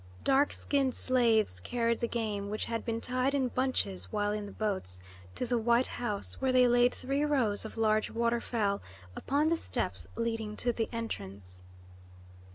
Dark skinned slaves carried the game, which had been tied in bunches while in the boats, to the white house, where they laid three rows of large water fowl, upon the steps leading to the entrance.